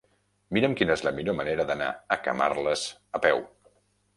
Mira'm quina és la millor manera d'anar a Camarles a peu.